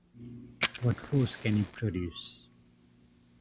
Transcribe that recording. What force can you produce?